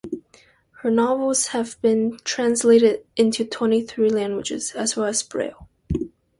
Her novels have been translated into twenty-three languages, as well as Braille.